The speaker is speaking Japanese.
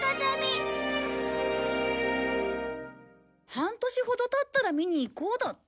半年ほど経ったら見に行こうだって。